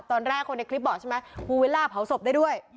ตอนแรกคนในคลิปบอกใช่ไหมภูวิลล่าเผาศพได้ด้วย